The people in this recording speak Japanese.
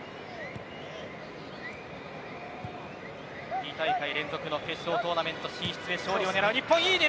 ２大会連続の決勝トーナメント進出へ勝利を狙う日本。